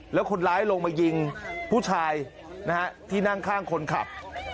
แล้วคนร้ายลงมายิงผู้ชายนะฮะที่นั่งข้างคนขับ